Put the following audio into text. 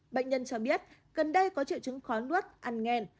bệnh nhân cho biết gần đây có triệu chứng khó nuốt ăn